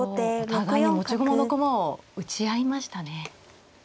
お互いに持ち駒の駒を打ち合いましたね。